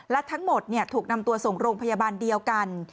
และทั้งหมดถูกนำตัวส่งโรงพยาบาลเดียวกัน